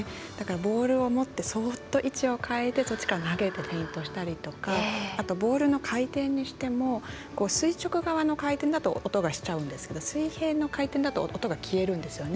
ボールを持ってそっと位置を変えてそっちから投げてフェイントしたりとかボールの回転にしても垂直側の回転だと音がしちゃうんですけど水平の回転だと音が消えるんですよね。